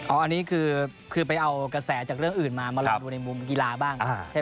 อันนี้คือไปเอากระแสจากเรื้ออื่นมามาดูในมูลกีฬาบ้าง